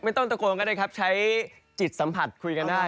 ไม่ต้องตะโกนก็ได้ครับใช้จิตสัมผัสคุยกันได้